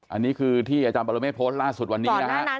อันนี้คือที่อาจารย์ปรเมฆโพสต์ล่าสุดวันนี้นะฮะ